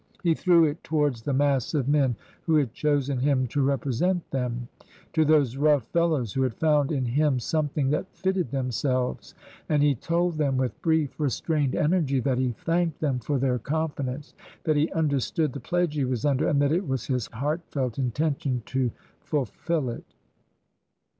He threw it towards the mass of men who had chosen him to represent them, to those rough fellows who had found in him something that fitted them selves, and he told them with brief restrained energy that he thanked them for their confidence, that he understood the pledge he was under, and that it was his heartfelt intention to fulfil it.